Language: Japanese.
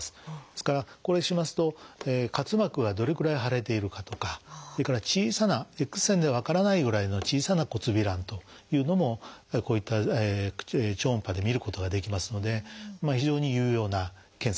ですからこれしますと滑膜はどれくらい腫れているかとかそれから小さなＸ線では分からないぐらいの小さな骨びらんというのもこういった超音波で見ることができますので非常に有用な検査です。